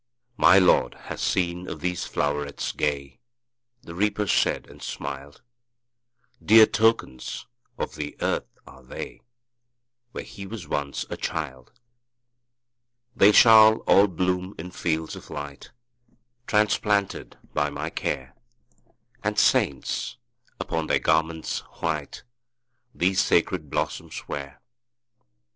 ``My Lord has need of these flowerets gay,'' The Reaper said, and smiled; ``Dear tokens of the earth are they, Where he was once a child. ``They shall all bloom in fields of light, Transplanted by my care, And saints, upon their garments white, These sacred blossoms wear.''